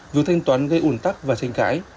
việc thanh toán gây ủn tắc và tranh cãi